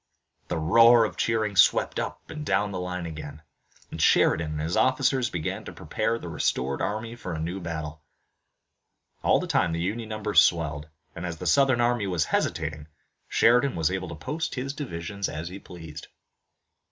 The roar of cheering swept up and down the line again, and Sheridan and his officers began to prepare the restored army for a new battle. All the time the Union numbers swelled, and, as the Southern army was hesitating, Sheridan was able to post his divisions as he pleased.